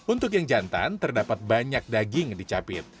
untuk yang jantan terdapat banyak daging dicapit